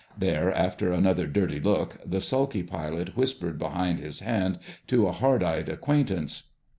There, after another dirty look, the sulky pilot whispered behind his hand to a hard eyed acquaintance.